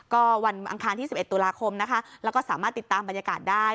ก็วันอังคารที่๑๑ตุลาคมนะคะแล้วก็สามารถติดตามบรรยากาศได้